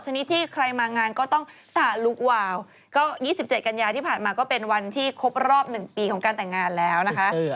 ชนิดที่ใครมางานก็ต้องตาลุกวาวก็๒๗กันยาที่ผ่านมาก็เป็นวันที่ครบรอบ๑ปีของการแต่งงานแล้วนะคะ